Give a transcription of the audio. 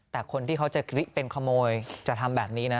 แต่คนที่เขาจะเป็นขโมยจะทำแบบนี้นะ